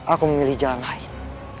aku memilih jalan lain